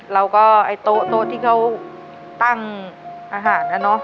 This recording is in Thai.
ไอ้โต๊ะที่เขาตั้งอาหารนะเนอะ